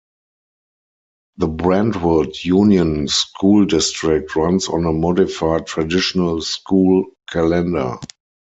The Brentwood Union School District runs on a modified traditional school calendar.